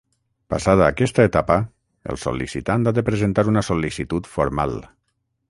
Passada aquesta etapa, el sol·licitant ha de presentar una sol·licitud formal.